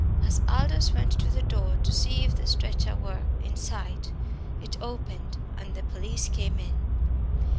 As Aldous went to the door to see if the stretcher was in sight, it opened, and the police came in.